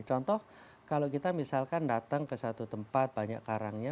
contoh kalau kita misalkan datang ke satu tempat banyak karangnya